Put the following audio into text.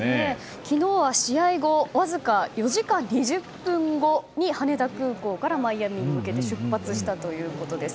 昨日は試合後わずか４時間２０分後に羽田空港からマイアミに向けて出発したということです。